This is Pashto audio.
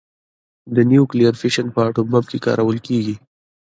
د نیوکلیر فیشن په اټوم بم کې کارول کېږي.